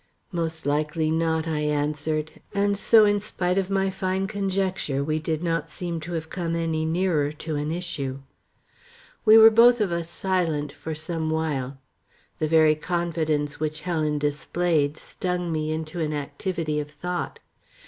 "Most likely not," I answered, and so in spite of my fine conjecture, we did not seem to have come any nearer to an issue. We were both of us silent for some while. The very confidence which Helen displayed stung me into an activity of thought.